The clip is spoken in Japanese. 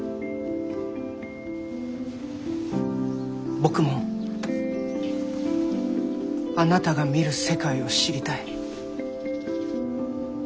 僕もあなたが見る世界を知りたい。